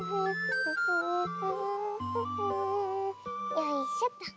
よいしょと。